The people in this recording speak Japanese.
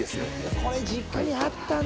これ実家にあったんだ！